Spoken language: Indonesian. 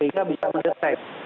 sehingga bisa mendesak